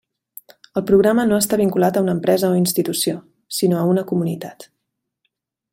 El programa no està vinculat a una empresa o institució, sinó a una comunitat.